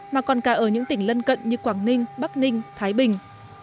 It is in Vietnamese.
mà còn cả ở những tỉnh lân cận như quảng ninh bắc ninh thái bình